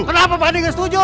mas bima ada setuju